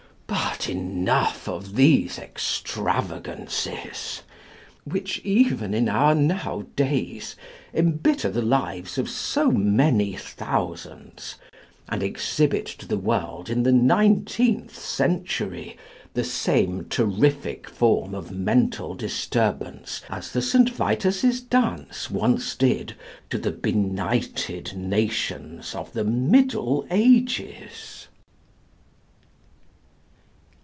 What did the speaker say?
But enough of these extravagances, which even in our now days embitter the lives of so many thousands, and exhibit to the world in the nineteenth century the same terrific form of mental disturbance as the St. Vitus's dance once did to the benighted nations of the Middle Ages.